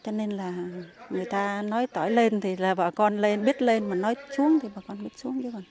cho nên là người ta nói tỏi lên thì bà con biết lên mà nói xuống thì bà con biết xuống